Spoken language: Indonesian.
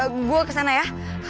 gue kesana ya